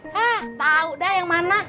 hah tahu dah yang mana